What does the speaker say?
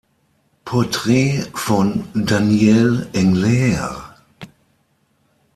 Portrait von Danielle Englert